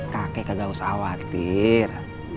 kakek nggak usah khawatir